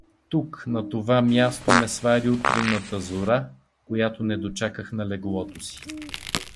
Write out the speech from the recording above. Тук на това място ме свари утринната зора, която не дочаках на леглото си.